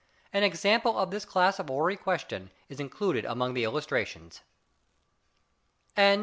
An example of this class of horary question is included among the illustrations (Fig.